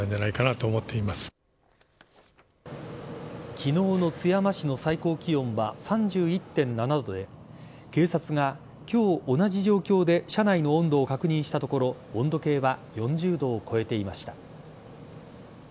昨日の津山市の最高気温は３１．７度で警察が今日、同じ状況で車内の温度を確認したところ温度計は４０度を超えていました。